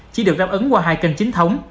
chỉ được đáp ứng qua hai kênh chính thống